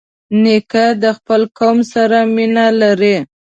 نیکه د خپل قوم سره مینه لري.